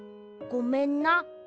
ごめんな。